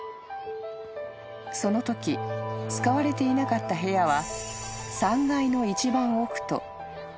「そのとき使われていなかった部屋は」